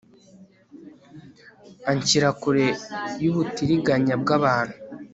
anshyira kure y'ubutiriganya bw'abantu